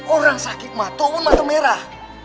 orang sakit matu pun mata merah